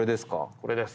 これです。